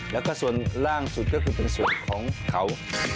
แล้วก็ส่วนล่างสุดก็คือเป็นส่วนของเขา